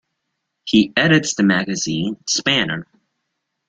He edits the magazine "Spanner".